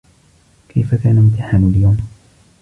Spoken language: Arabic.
كيف كان امتحان اليوم ؟